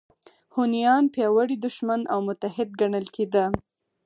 هونیان پیاوړی دښمن او متحد ګڼل کېده